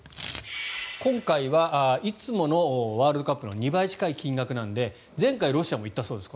今回はいつものワールドカップの２倍近い金額なので前回、ロシアも行ったそうです